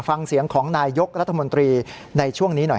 ฟังเสียงของนายยกรัฐมนตรีในช่วงนี้หน่อย